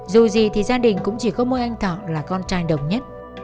dù gì thì gia đình cũng chỉ có mỗi anh thọ là con trai đồng nhất